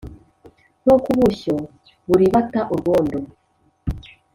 nkuko ubushyo buribata urwondo